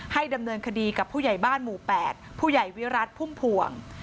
ดำเนินคดีกับผู้ใหญ่บ้านหมู่๘ผู้ใหญ่วิรัติพุ่มพวง